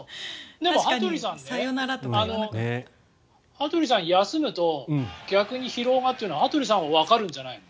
でも、羽鳥さん、休むと逆に疲労がというのは羽鳥さんもわかるんじゃないの？